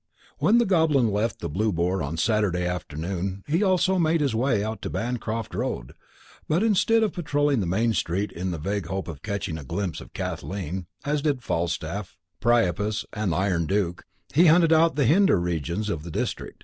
When the Goblin left the Blue Boar on Saturday afternoon he also made his way out to Bancroft Road; but instead of patrolling the main street in the vague hope of catching a glimpse of Kathleen (as did Falstaff, Priapus, and the Iron Duke), he hunted out the hinder regions of the district.